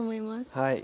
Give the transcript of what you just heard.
はい。